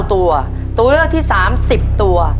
ตัวเลือกที่๓๑๐ตัว